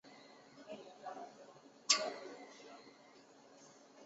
曼秀雷敦软膏仍是由乐敦制药旗下曼秀雷敦公司生产的为原创产品。